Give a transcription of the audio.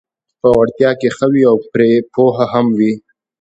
په وړتیا کې ښه وي او پرې پوه هم وي: